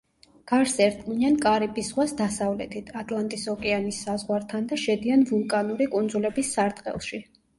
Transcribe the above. გარს ერტყმიან კარიბის ზღვას დასავლეთით, ატლანტის ოკეანის საზღვართან და შედიან ვულკანური კუნძულების სარტყელში.